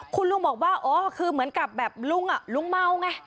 คุณลุงบอกว่าอ๋อคือเหมือนกับแบบลุงลุงเมาไง